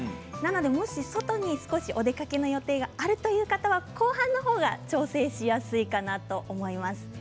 もし外に少しでもお出かけの予定があるという方は後半のほうが調整しやすいかなと思います。